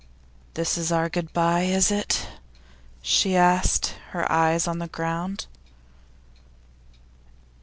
'This is our good bye, is it?' she asked, her eyes on the ground.